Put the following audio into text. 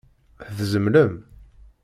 Tzemlem?